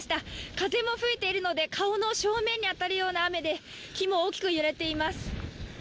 風も吹いているので顔の正面に当たるような雨で木も大きく揺れています。